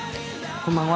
こんばんは。